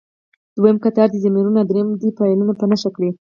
دویم کتار دې ضمیرونه او دریم دې فعلونه په نښه کړي.